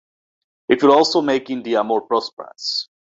It will also make India more prosperous.